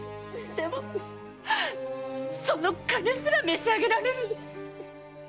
でもその金すら召し上げられる！